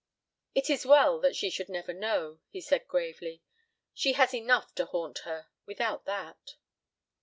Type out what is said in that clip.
"It is well that she should never know," he said, gravely; "she has enough to haunt her—without that."